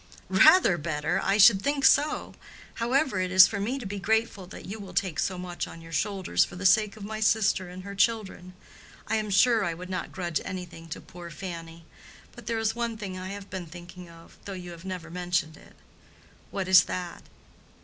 "Rather better! I should think so. However, it is for me to be grateful that you will take so much on your shoulders for the sake of my sister and her children. I am sure I would not grudge anything to poor Fanny. But there is one thing I have been thinking of, though you have never mentioned it." "What is that?"